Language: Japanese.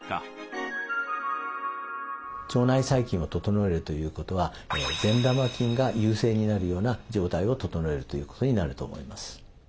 腸内細菌を整えるということは善玉菌が優勢になるような状態を整えるということになると思います。